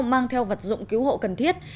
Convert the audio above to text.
mang theo vật dụng cứu hộ cần thiết